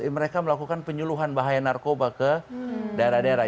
mereka melakukan penyuluhan bahaya narkoba ke daerah daerah